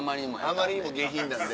あまりにも下品なんで。